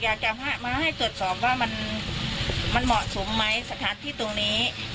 อยากจะมาให้ตรวจสอบว่ามันเหมาะสมไหมสถานที่ตรงนี้